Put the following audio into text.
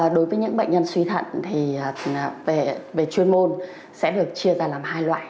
đối với những bệnh nhân suy thận thì về chuyên môn sẽ được chia ra làm hai loại